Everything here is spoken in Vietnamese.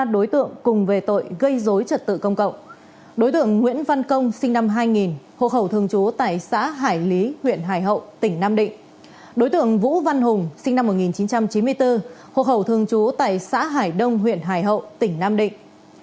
đối tượng vũ văn hùng sinh năm một nghìn chín trăm chín mươi bốn hộp hậu thường trú tại xã hải đông huyện hải hậu tỉnh nam định